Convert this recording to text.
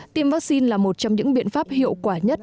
tiêm vaccine là một trong những biện pháp hiệu quả nhất